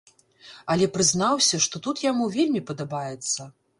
Але прызнаўся, што тут яму вельмі падабаецца.